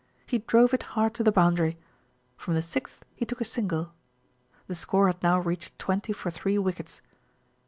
He drove it hard to the boundary. From the sixth he took a single. The score had now reached twenty for three wickets.